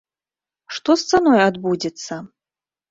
Што з цаной адбудзецца?